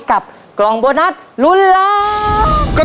กับกล่องโบนัสลุ้นล้าน